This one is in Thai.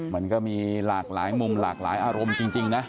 มันก็มีหลากหลายมุมหลากหลายอารมณ์จริงนะ